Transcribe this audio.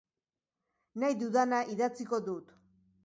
Nahi dudana idatziko dut.